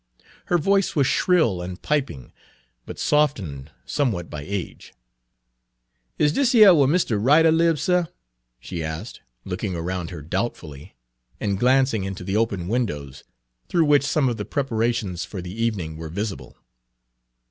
Her voice was shrill and piping, but softened somewhat by age. "Is dis yere whar Mistuh Ryduh lib, suh?" she asked, looking around her doubtfully, and glancing into the open Page 11 windows, through which some of the preparations for the evening were visible.